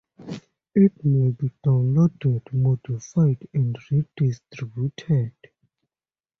It may be downloaded, modified and redistributed.